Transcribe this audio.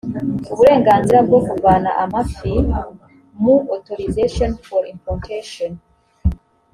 uburenganzira byo kuvana amafi mu authorization for importation